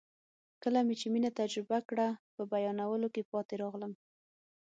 کله مې چې مینه تجربه کړه په بیانولو کې پاتې راغلم.